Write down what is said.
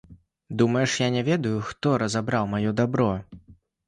Думаеш, я не ведаю, хто разабраў маё дабро?